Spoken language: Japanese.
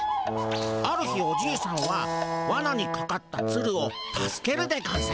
ある日おじいさんはワナにかかったツルを助けるでゴンス。